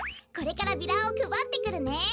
これからビラをくばってくるね！